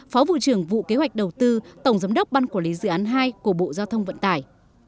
phó vụ trưởng vụ kế hoạch đầu tư tổng giám đốc ban quản lý dự án hai của bộ giao thông vận tải